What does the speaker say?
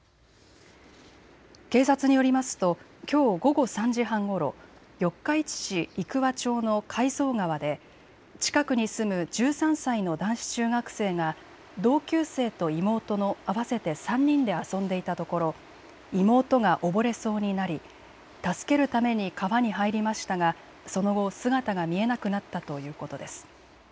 警察によりますときょう午後３時半ごろ、四日市市生桑町の海蔵川で近くに住む１３歳の男子中学生が同級生と妹の合わせて３人で遊んでいたところ妹が溺れそうになり助けるために川に入りましたがその後、姿が見えなくなったということです。